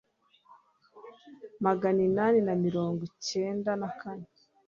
magana inani na mirango ncyenda na kane